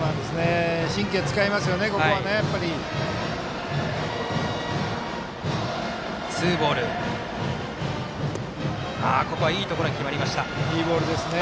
神経使いますよね、ここは。いいボールですね。